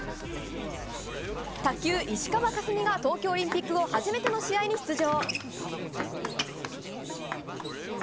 卓球、石川佳純が東京オリンピック後初めての試合に出場。